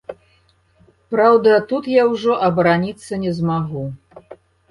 Праўда, тут я ўжо абараніцца не змагу.